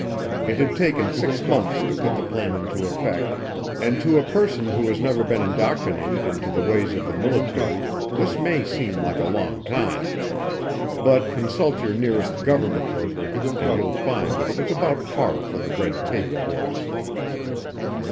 It had taken six months to put the plan into effect, and to a person who has never been indoctrinated into the ways of the military, this may seem like a long time. But consult your nearest government worker and you'll find that it was about par for the red tape course.